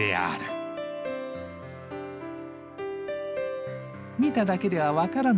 見ただけでは分からない香り。